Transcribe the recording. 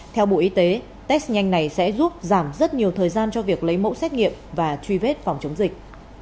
theo bộ y tế test nhanh này sẽ giúp giảm rất nhiều thời gian cho việc lấy mẫu xét nghiệm và truy vết phòng chống dịch